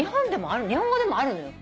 日本語でもあるのよ。